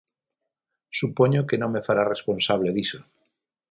Supoño que non me fará responsable diso.